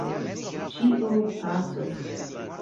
Ĉio pasos!